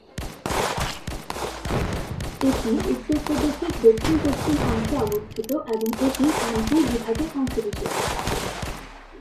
এটি উত্তরপ্রদেশের দক্ষিণ-পশ্চিম অংশে অবস্থিত এবং এটি কানপুর বিভাগের অংশবিশেষ।